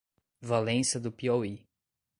Valença do Piauí